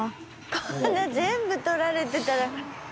こんな全部撮られてたら。